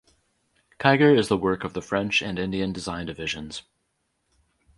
Kiger is the work of the French and Indian design divisions.